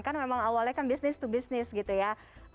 kan memang awalnya kan bisnis to bisnis gitu ya